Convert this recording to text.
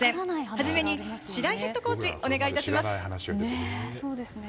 初めに白井ヘッドコーチお願いします。